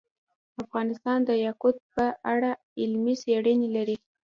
افغانستان د یاقوت په اړه علمي څېړنې لري.